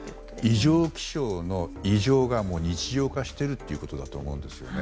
異常気象の異常が日常化しているということだと思うんですよね。